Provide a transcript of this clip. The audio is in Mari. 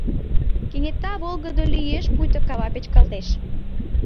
Кенета волгыдо лиеш, пуйто кава печкалтеш.